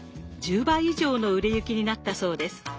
１０倍以上の売れ行きになったそうです。